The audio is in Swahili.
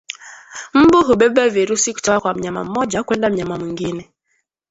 Mbu hubeba virusi kutoka kwa mnyama mmoja kwenda mnyama mwingine